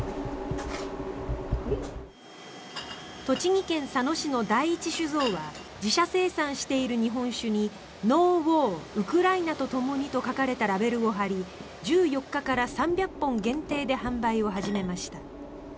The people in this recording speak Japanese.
栃木県佐野市の第一酒造は自社生産している日本酒に「ＮＯＷＡＲ−ウクライナとともに−」と書かれたラベルを貼り１４日から３００本限定で販売を始めました。